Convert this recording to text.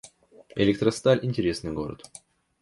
Электросталь — интересный город